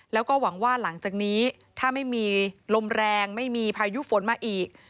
แล้วก็หวังว่าหลังจากนี้ถ้าไม่มีลมแรงไม่มีพายุฝนมาอีก